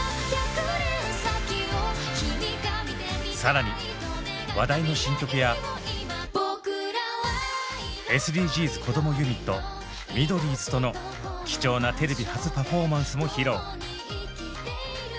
更に話題の新曲やＳＤＧｓこどもユニット「ミドリーズ」との貴重なテレビ初パフォーマンスも披露。